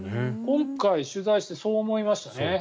今回、取材してそう思いましたね。